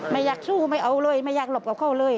ไม่อยากสู้ไม่เอาเลยไม่อยากหลบกับเขาเลย